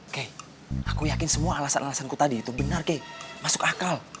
kay aku yakin semua alasan alasan ku tadi itu benar kay masuk akal